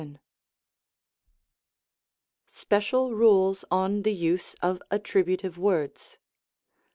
§111 SPECIAL KULES ON THE USE OF ATTKIBUTIVE WORDS.